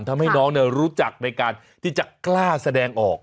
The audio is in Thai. ทำให้น้องรู้จักในการที่จะกล้าแสดงออก